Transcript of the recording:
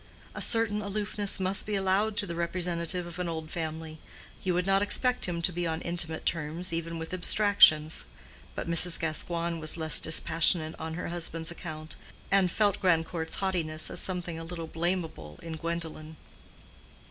A certain aloofness must be allowed to the representative of an old family; you would not expect him to be on intimate terms even with abstractions. But Mrs. Gascoigne was less dispassionate on her husband's account, and felt Grandcourt's haughtiness as something a little blameable in Gwendolen.